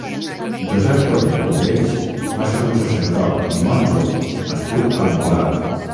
Josep Torné i Cubells va ser un sacerdot i monjo nascut al Molar.